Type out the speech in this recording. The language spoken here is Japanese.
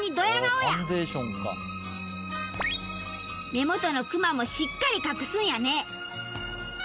目元のクマもしっかり隠すんやね。